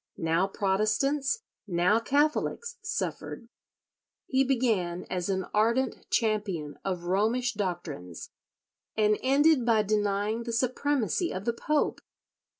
Now Protestants, now Catholics suffered. He began as an ardent champion of Romish doctrines, and ended by denying the supremacy of the Pope.